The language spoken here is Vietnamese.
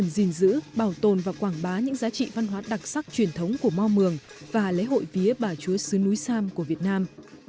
giữ bảo tồn và quảng bá những giá trị văn hóa đặc sắc truyền thống của mò mường và lễ hội vía bà chúa sứ núi sam của việt nam